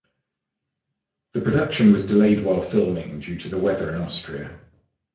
The production was delayed while filming due to the weather in Austria.